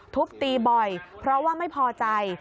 ทุบตีบ่อยเพราะว่าไม่พอใจ